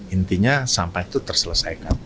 intinya sampah itu terselesaikan